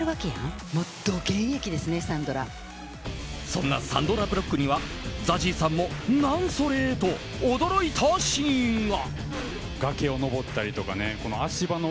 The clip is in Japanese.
そんなサンドラ・ブロックにはＺＡＺＹさんもなんそれ！と驚いたシーンが。